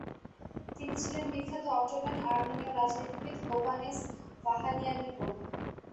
তিনি ছিলেন বিখ্যাত অটোমান আর্মেনীয় রাজনীতিবিদ হোভানেস ভাহানিয়ানের বোন।